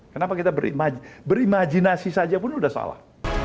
kenapa kita berimajinasi saja pun sudah salah